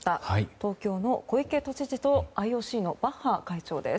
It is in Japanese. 東京の小池都知事とＩＯＣのバッハ会長です。